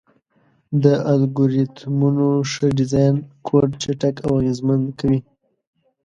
د الګوریتمونو ښه ډیزاین کوډ چټک او اغېزمن کوي.